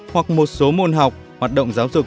hoặc một số môn học hoạt động giáo dục